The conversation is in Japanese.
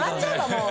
もう。